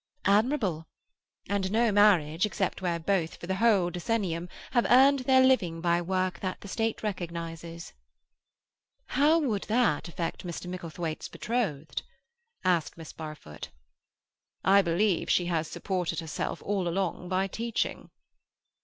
"Admirable. And no marriage, except where both, for the whole decennium, have earned their living by work that the State recognizes." "How would that affect Mr. Micklethwaite's betrothed?" asked Miss Barfoot. "I believe she has supported herself all along by teaching."